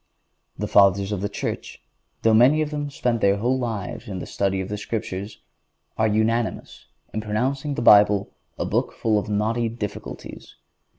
The Fathers of the Church, though many of them spent their whole lives in the study of the Scriptures, are unanimous in pronouncing the Bible a book full of knotty difficulties.